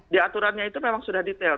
di aturannya itu memang sudah detail